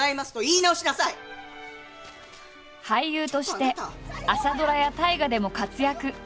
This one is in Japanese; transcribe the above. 俳優として朝ドラや大河でも活躍。